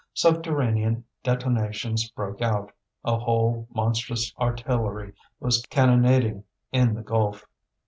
Subterranean detonations broke out; a whole monstrous artillery was cannonading in the gulf.